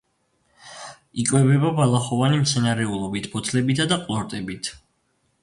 იკვებება ბალახოვანი მცენარეულობით, ფოთლებითა და ყლორტებით.